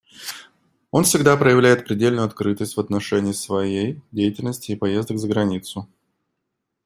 Он всегда проявляет предельную открытость в отношении своей деятельности и поездок за границу.